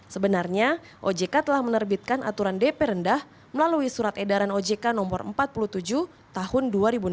sebenarnya ojk telah menerbitkan aturan dp rendah melalui surat edaran ojk no empat puluh tujuh tahun dua ribu enam belas